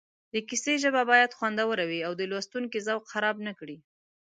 د کیسې ژبه باید خوندوره وي او د لوستونکي ذوق خراب نه کړي